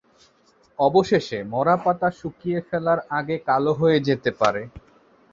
অবশেষে, মরা পাতা শুকিয়ে ফেলার আগে কালো হয়ে যেতে পারে।